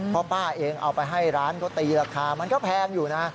เพราะป้าเองเอาไปให้ร้านเขาตีราคามันก็แพงอยู่นะ